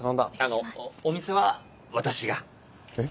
あのお店は私が。え？